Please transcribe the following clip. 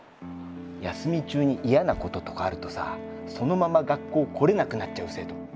休み中に嫌なこととかあるとさそのまま学校来れなくなっちゃう生徒結構いるから。